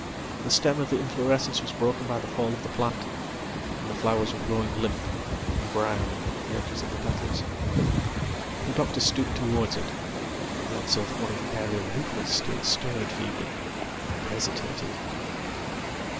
The stem of theinflorescence was broken by the fall of the plant, and the flowers weregrowing limp and brown at the edges of the petals. The doctor stoopedtowards it, then saw that one of the aerial rootlets still stirred feebly, and hesitated.